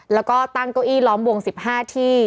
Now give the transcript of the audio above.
แล้วก็ตั้งเก้าอี้ล้อมวง๑๕ที่